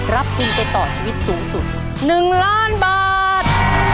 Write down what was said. รับทุนไปต่อชีวิตสูงสุด๑ล้านบาท